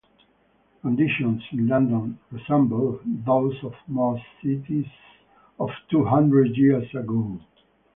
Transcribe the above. The conditions in London resembled those of most cities of two hundred years ago.